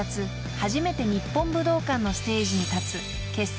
初めて日本武道館のステージに立つ結成